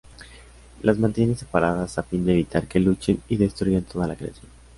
Las mantiene separadas a fin de evitar que luchen y destruyan toda la creación.